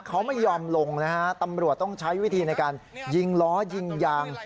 เขาไม่ยอมลงนะฮะตำรวจต้องใช้วิธีในการยิงล้อยิงยาง